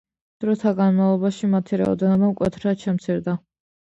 დროთა განმავლობაში მათი რაოდენობა მკვეთრად შემცირდა.